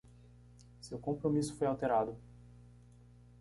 Seu compromisso foi alterado.